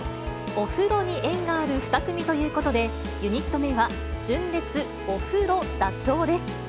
お風呂に縁がある２組ということで、ユニット名は、純烈・おふろ・ダチョウです。